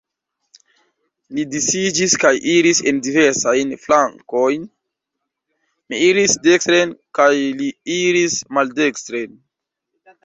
Ni disiĝis kaj iris en diversajn flankojn: mi iris dekstren, kaj li iris maldekstren.